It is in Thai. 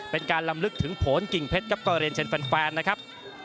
เป็นการลำลึกถึงผลกิ่งเพชรครับก็เรียนเชิญแฟนนะครับ